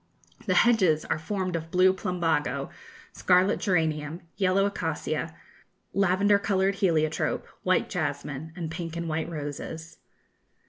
The hedges are formed of blue plumbago, scarlet geranium, yellow acacia, lavender coloured heliotrope, white jasmine, and pink and white roses.